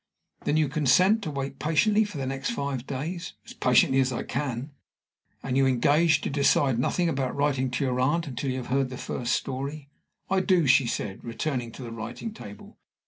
"Then you consent to wait patiently for the next five days?" "As patiently as I can." "And you engage to decide nothing about writing to your aunt until you have heard the first story?" "I do," she said, returning to the writing table.